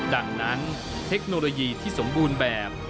ดังนั้นเทคโนโลยีที่สมบูรณ์แบบ